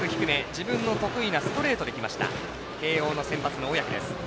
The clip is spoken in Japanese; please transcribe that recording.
自分の得意なストレートできました慶応の先発の小宅。